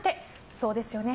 そうですよね。